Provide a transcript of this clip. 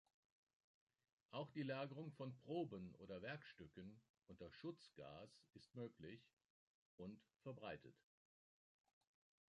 Auch die Lagerung von Proben oder Werkstücken unter Schutzgas ist möglich und verbreitet.